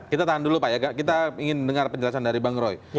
kita tahan dulu pak ya kita ingin dengar penjelasan dari bang roy